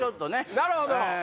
なるほど！